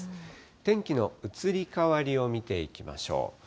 天気の移り変わりを見ていきましょう。